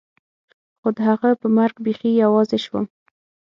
خو د هغه په مرګ بيخي يوازې سوم.